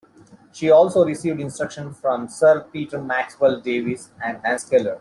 She also received instruction from Sir Peter Maxwell Davies and Hans Keller.